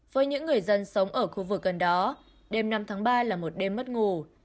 với những người dân sống ở khu vực gần đó đêm năm tháng ba là một đêm mất ngủ